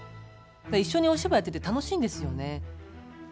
一緒にお芝居してて楽しいんですよね。